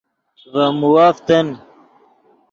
ڤے مووف تن